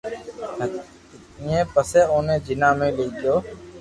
ھتي پسي اوني جناح ۾ لئي گيو